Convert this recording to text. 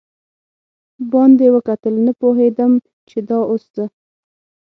باندې وکتل، نه پوهېدم چې دا اوس زه.